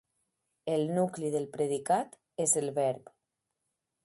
El nucli del predicat és el verb.